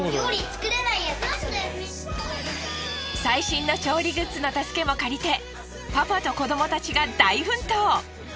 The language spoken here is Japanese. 最新の調理グッズの助けも借りてパパと子どもたちが大奮闘。